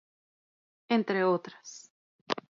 Entre otras.